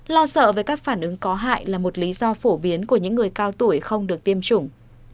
lo sợ về các phản ứng có hại là một lý do phổ biến của những người cao tuổi không được tiêm chủng